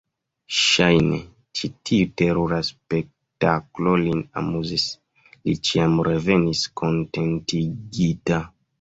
Ŝajne, ĉi tiu terura spektaklo lin amuzis: li ĉiam revenis kontentigita.